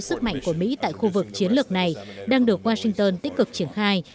sức mạnh của mỹ tại khu vực chiến lược này đang được washington tích cực triển khai